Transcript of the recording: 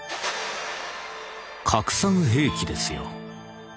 「『核酸兵器』ですよ。